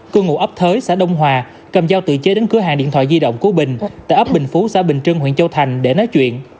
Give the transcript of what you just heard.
cư ngụ ấp thới xã đông hòa cầm dao tự chế đến cửa hàng điện thoại di động của bình tại ấp bình phú xã bình trưng huyện châu thành để nói chuyện